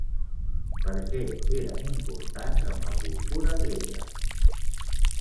Per què eren importants en la cultura grega?